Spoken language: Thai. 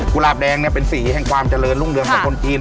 ุหลาบแดงเป็นสีแห่งความเจริญรุ่งเรืองของคนจีน